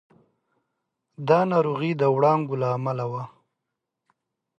دا ناروغي د وړانګو له امله وه.